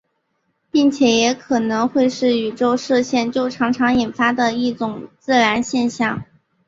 并且也很可能会是宇宙射线就常常引发的一种自然现象。